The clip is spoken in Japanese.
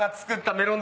メロン。